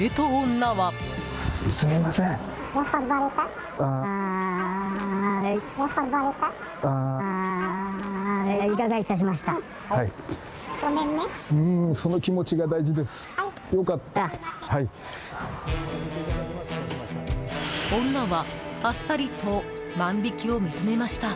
女は、あっさりと万引きを認めました。